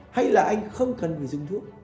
hay là anh không cần phải dùng thuốc